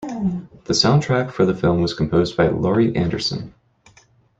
The soundtrack for the film was composed by Laurie Anderson.